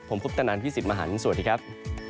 ผมคุปตนันพี่สิทธิ์มหันฯสวัสดีครับ